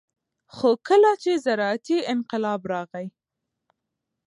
خو کله چې زراعتي انقلاب راغى